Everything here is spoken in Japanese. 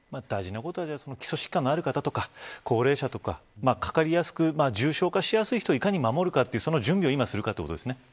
大事なことは、基礎疾患がある方とか高齢者とかかかりやすく重症化しやすい人をいかに守るかその準備を今、いかにするかということですね。